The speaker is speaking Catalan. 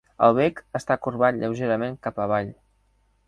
El bec està corbat lleugerament cap avall.